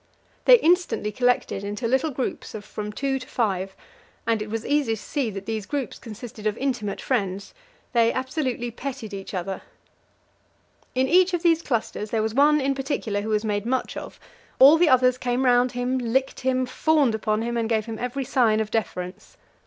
They instantly collected into little groups of from two to five, and it was easy to see that these groups consisted of intimate friends they absolutely petted each other. In each of these clusters there was one in particular who was made much of; all the others came round him, licked him, fawned upon him, and gave him every sign of deference.